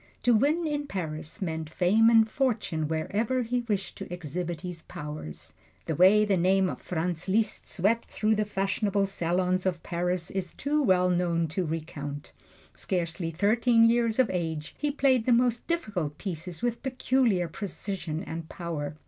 To win in Paris meant fame and fortune wherever he wished to exhibit his powers. The way the name of Franz Liszt swept through the fashionable salons of Paris is too well known to recount. Scarcely thirteen years of age, he played the most difficult pieces with peculiar precision and power.